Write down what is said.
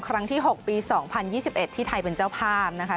ครั้งที่๖ปี๒๐๒๑ที่ไทยเป็นเจ้าภาพนะคะ